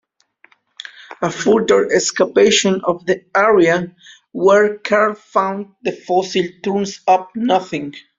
A further excavation of the area where Carl found the fossil turns up nothing.